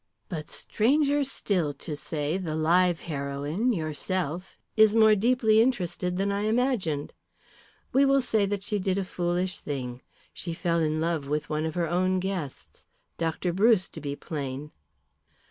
"But stranger still to say, the live heroine, yourself, is more deeply interested than I imagined. We will say that she did a foolish thing. She fell in love with one of her own guests Dr. Bruce, to be plain."